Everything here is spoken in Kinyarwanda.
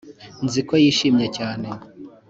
nzi ko yishimye cyane